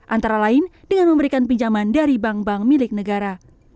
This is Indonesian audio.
antara lain dengan memberikan pinjaman dari bank bank milik negara